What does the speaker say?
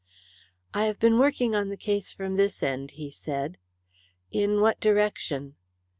"I have been working on the case from this end," he said. "In what direction?"